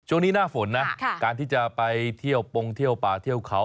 หน้าฝนนะการที่จะไปเที่ยวปงเที่ยวป่าเที่ยวเขา